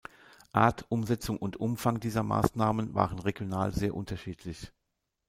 Art, Umsetzung und Umfang dieser Maßnahmen waren regional sehr unterschiedlich.